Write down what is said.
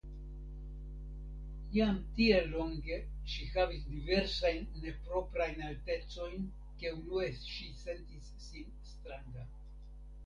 Jam tiel longe ŝi havis diversajn neproprajn altecojn ke unue ŝi sentis sin stranga.